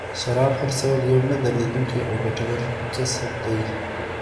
شراب خرڅول یو نه دریدونکی او ګټور کسب دی.